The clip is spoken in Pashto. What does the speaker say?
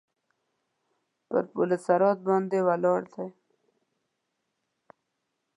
پر پل صراط باندې ولاړ دی.